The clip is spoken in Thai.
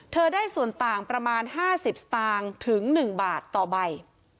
ได้ส่วนต่างประมาณ๕๐สตางค์ถึง๑บาทต่อใบ